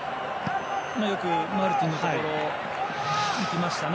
よくマルティンのところいきましたね。